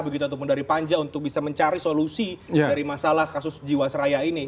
begitu ataupun dari panja untuk bisa mencari solusi dari masalah kasus jiwasraya ini